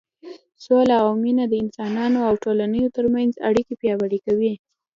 سوله او مینه د انسانانو او ټولنو تر منځ اړیکې پیاوړې کوي.